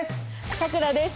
さくらです！